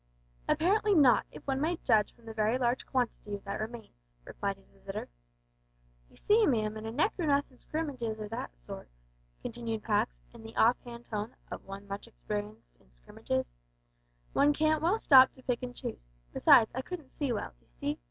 "Apparently not, if one may judge from the very large quantity that remains," replied his visitor. "You see, ma'am, in neck or nothin' scrimmages o' that sort," continued Pax, in the off hand tone of one much experienced in such scrimmages, "one can't well stop to pick and choose; besides, I couldn't see well, d'ee see?